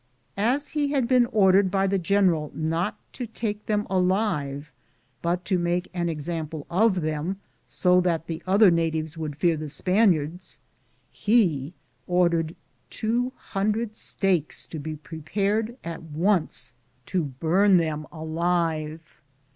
As he had been or dered by the general not to take them alive, but to make an example of them so that the other natives would fear the Span iards, he ordered 200 stakes to be prepared at once to burn them alive.